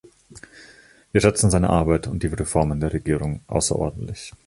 Wir schätzen seine Arbeit und die Reformen der Regierung außerordentlich.